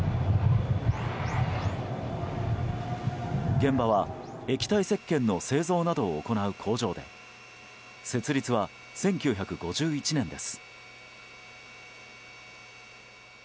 現場は、液体せっけんの製造などを行う工場で設立は１９５１年です。